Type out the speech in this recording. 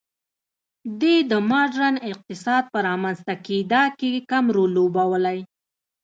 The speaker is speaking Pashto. دې د ماډرن اقتصاد په رامنځته کېدا کې کم رول لوبولی.